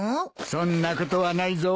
そんなことはないぞ。